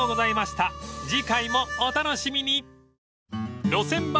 ［次回もお楽しみに］